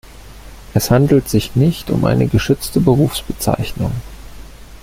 Es handelt sich nicht um eine geschützte Berufsbezeichnung.